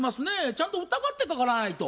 ちゃんと疑ってかからないと。